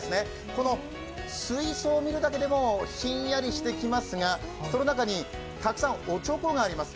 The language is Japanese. この水槽を見るだけでもひんやりしてきますがその中にたくさんおちょこがあります。